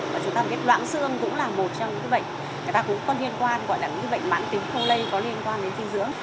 và chúng ta biết loãng xương cũng là một trong những cái bệnh người ta cũng có liên quan gọi là những cái bệnh mãn tính không lây có liên quan đến thi dưỡng